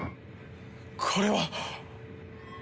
これは！